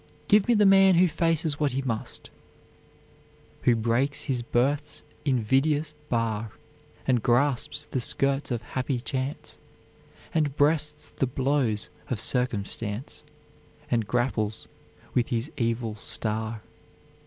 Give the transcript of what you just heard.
Give me the man who faces what he must, "Who breaks his birth's invidious bar, And grasps the skirts of happy chance, And breasts the blows of circumstance, And grapples with his evil star."